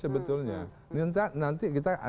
sebetulnya nanti kita